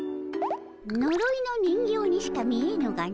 のろいの人形にしか見えぬがの。